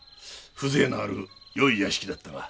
風情のあるよい屋敷だったが。